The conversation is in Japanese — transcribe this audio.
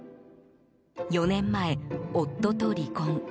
４年前、夫と離婚。